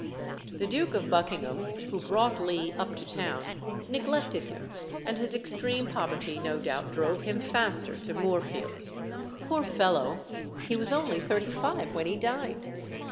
The Duke of Buckingham, who brought Lee up to town, neglected him, and his extreme poverty no doubt drove him faster to Moorfields. Poor fellow! he was only thirty five when he died.